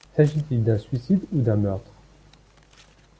S'agit-il d'un suicide ou d'un meurtre?